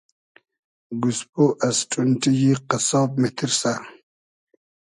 گۉسپۉ از ݖونݖی یی قئسساب میتیرسۂ